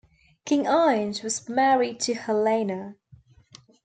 King Inge was married to Helena.